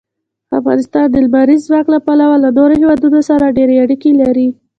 افغانستان د لمریز ځواک له پلوه له نورو هېوادونو سره ډېرې اړیکې لري.